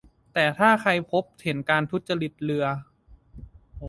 แต่ถ้าใครพบเห็นการทุจริตเลือ